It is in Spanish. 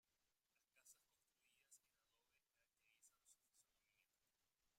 Las casas construidas en adobe caracterizan su fisonomía.